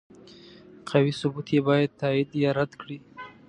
قوي ثبوت یې باید تایید یا رد کړي.